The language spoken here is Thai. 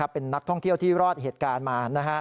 เป็นนักท่องเที่ยวที่รอดเหตุการณ์มา